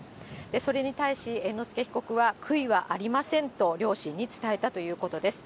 それに対し猿之助被告は、悔いはありませんと、両親に伝えたということです。